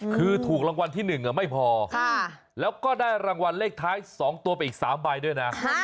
คือถูกรางวัลที่๑ไม่พอแล้วก็ได้รางวัลเลขท้าย๒ตัวไปอีก๓ใบด้วยนะ